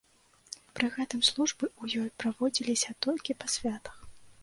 Пры гэтым службы ў ёй праводзіліся толькі па святах.